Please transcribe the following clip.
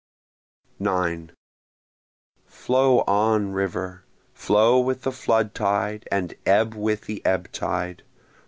9 Flow on, river! flow with the flood tide, and ebb with the ebb tide!